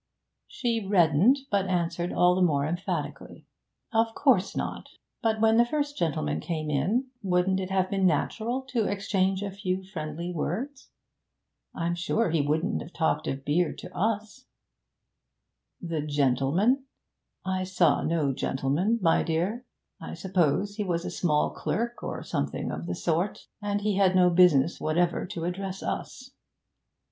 She reddened, but answered all the more emphatically. 'Of course not. But, when the first gentleman came in, wouldn't it have been natural to exchange a few friendly words? I'm sure he wouldn't have talked of beer to us' 'The gentleman? I saw no gentleman, my dear. I suppose he was a small clerk, or something of the sort, and he had no business whatever to address us.'